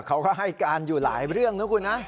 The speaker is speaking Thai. เขาก็ให้การอยู่หลายเรื่องนะคุณนะ